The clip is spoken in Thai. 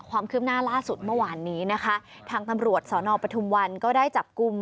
ความคืบหน้าล่าสุดเมื่อวานนี้นะคะทางตำรวจสอนอปทุมวันก็ได้จับกลุ่ม